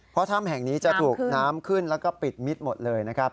เพราะถ้ำแห่งนี้จะถูกน้ำขึ้นแล้วก็ปิดมิดหมดเลยนะครับ